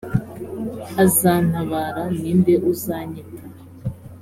azantabara ni nde uzanyita